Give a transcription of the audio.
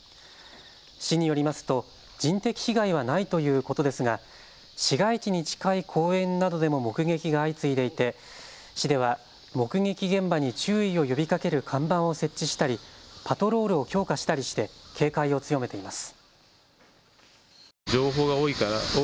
市によりますと人的被害はないということですが市街地に近い公園などでも目撃が相次いでいて市では目撃現場に注意を呼びかける看板を設置したりパトロールを強化したりして警戒を強めています。